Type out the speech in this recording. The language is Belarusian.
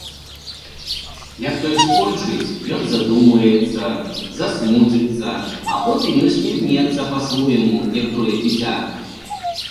Як той скончыць, ён задумаецца, засмуціцца, а потым і ўсміхнецца па-свойму, як тое дзіця.